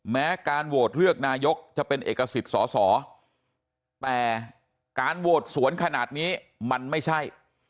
แม้การโหวตเลือกนายกจะเป็นเอกสิทธิ์สอสอแต่การโหวตสวนขนาดนี้มันไม่ใช่